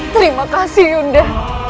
terima kasih yunda